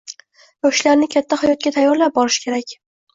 Yoshlarni katta hayotga tayyorlab borish kerak.